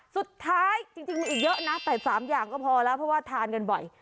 จริงมีอีกเยอะนะแต่๓อย่างก็พอแล้วเพราะว่าทานกันบ่อย